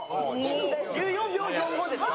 えっ１４秒４５ですか？